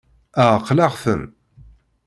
Ɛeqleɣ-ten.